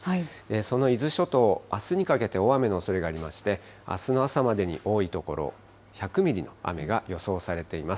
その伊豆諸島、あすにかけて大雨のおそれがありまして、あすの朝までに多い所、１００ミリの雨が予想されています。